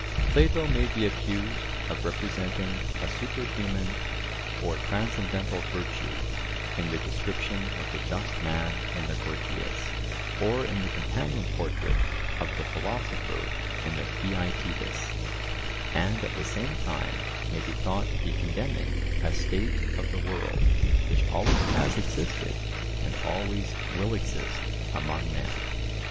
Plato may be accused of representing a superhuman or transcendental virtue in the description of the just man in the Gorgias, or in the companion portrait of the philosopher in the Theaetetus; and at the same time may be thought to be condemning a state of the world which always has existed and always will exist among men.